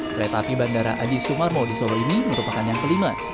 kereta api bandara adi sumarmo di solo ini merupakan yang kelima